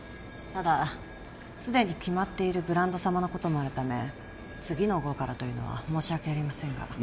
ただすでに決まっているブランド様のこともあるため次の号からというのは申し訳ありませんが